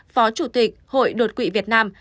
phó chủ tịch hội đột quỵ việt nam